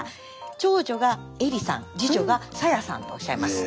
長女が詠理さん次女が彩矢さんとおっしゃいます。